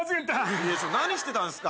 何してたんすか。